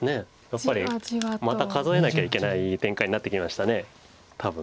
やっぱりまた数えなきゃいけない展開になってきました多分。